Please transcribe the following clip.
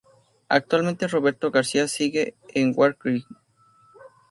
Actualmente Roberto García sigue en WarCry.